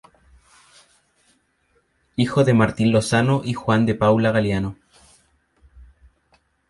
Hijo de Martín Lozano y Juan de Paula Galiano.